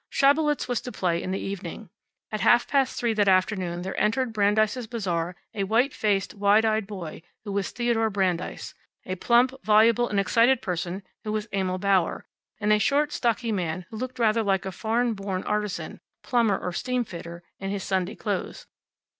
Schabelitz was to play in the evening. At half past three that afternoon there entered Brandeis' Bazaar a white faced, wide eyed boy who was Theodore Brandeis; a plump, voluble, and excited person who was Emil Bauer; and a short, stocky man who looked rather like a foreign born artisan plumber or steam fitter in his Sunday clothes.